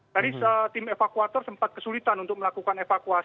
tadi tim evakuator sempat kesulitan untuk melakukan evakuasi